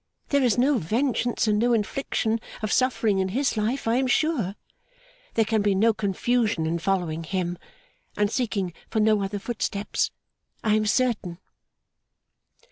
There is no vengeance and no infliction of suffering in His life, I am sure. There can be no confusion in following Him, and seeking for no other footsteps, I am certain.